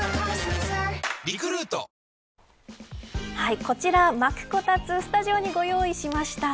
こちら巻くコタツスタジオにご用意しました。